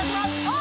お！